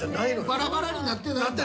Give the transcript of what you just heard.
バラバラになってないんや。